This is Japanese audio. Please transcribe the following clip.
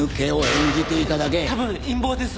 多分陰謀です。